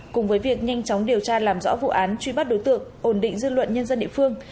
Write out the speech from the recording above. cùng với việc nhanh chóng điều tra làm rõ vụ án truy bắt đối tượng ổn định dư luận nhân dân địa phương